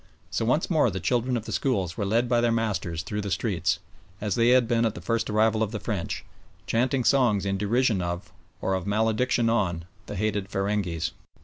So once more the children of the schools were led by their masters through the streets, as they had been at the first arrival of the French, chanting songs in derision of, or of malediction on, the hated feringhees.